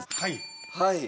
はい。